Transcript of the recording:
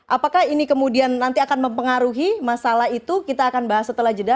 apakah ini kemudian nanti akan mempengaruhi masalah itu kita akan bahas setelah jeda